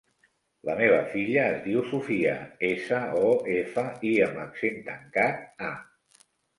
La meva filla es diu Sofía: essa, o, efa, i amb accent tancat, a.